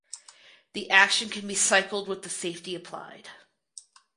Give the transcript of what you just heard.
The action can be cycled with the safety applied.